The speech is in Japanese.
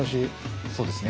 そうですね。